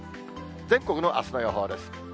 全国のあすの予報です。